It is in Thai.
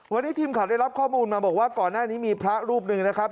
วันนี้ทีมข่าวได้รับข้อมูลมาบอกว่าก่อนหน้านี้มีพระรูปหนึ่งนะครับ